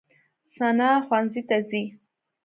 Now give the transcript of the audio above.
ثنا ښوونځي ته ځي.